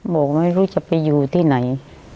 บอกไม่รู้จะไปอยู่ที่ไหน